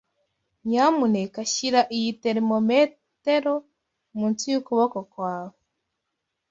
Nyamuneka shyira iyi termometero munsi yukuboko kwawe.